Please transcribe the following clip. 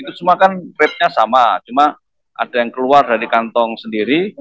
itu semua kan kripnya sama cuma ada yang keluar dari kantong sendiri